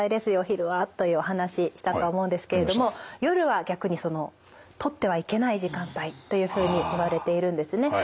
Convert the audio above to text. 昼はというお話したと思うんですけれども夜は逆にそのとってはいけない時間帯というふうにいわれているんですね。